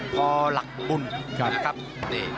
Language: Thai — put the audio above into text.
พอหลักบุญ